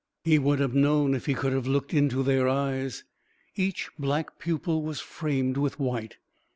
He would have known if he could have looked into their eyes. Each black pupil was framed with white.